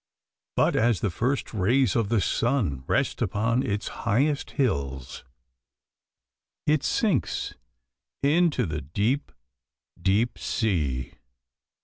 But as the first rays of the sun rest upon its highest hills, it sinks into the deep, deep sea.